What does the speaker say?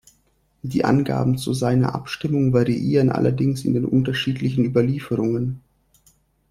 Die Angaben zu seiner Abstammung variieren allerdings in den unterschiedlichen Überlieferungen.